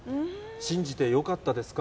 信じてよかったですか？